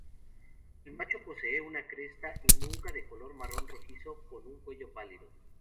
El macho posee una cresta y nuca de color marrón-rojizo, con un cuello pálido.